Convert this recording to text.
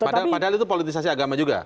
padahal itu politisasi agama juga